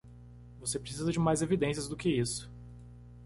Você precisa de mais evidências do que isso.